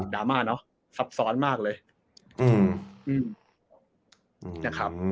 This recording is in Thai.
ดรามาเนอะซับซ้อนมากเลย